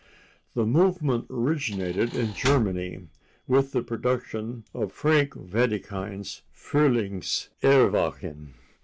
The movement originated in Germany with the production of Frank Wedekind's "Frühlings Erwachen."